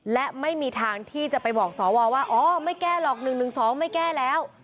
และไม่มีทางที่จะไปบอกสวว่าอ๋อไม่แก้หรอก๑๑๒ไม่แก้แล้ว